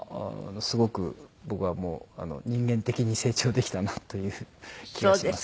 すごく僕はもう人間的に成長できたなという気がします。